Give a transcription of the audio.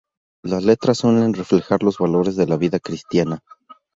Las letras suelen reflejar los valores de la vida cristiana.